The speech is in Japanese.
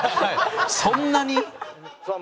そんなに？